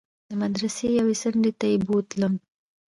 د مدرسې يوې څنډې ته يې بوتلم.